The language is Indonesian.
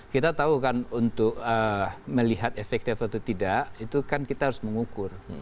kita tahu kan untuk melihat efektif atau tidak itu kan kita harus mengukur